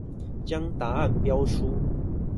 將答案標出